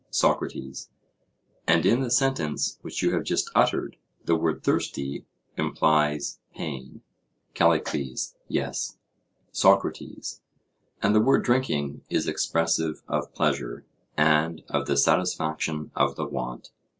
SOCRATES: And in the sentence which you have just uttered, the word "thirsty" implies pain? CALLICLES: Yes. SOCRATES: And the word "drinking" is expressive of pleasure, and of the satisfaction of the want?